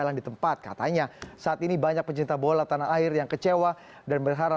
rezim pak nyala urang anggota harus keluar